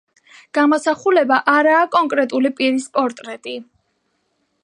გამოსახულება არაა კონკრეტული პირის პორტრეტი.